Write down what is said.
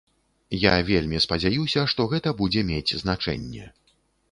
Я вельмі спадзяюся, што гэта будзе мець значэнне.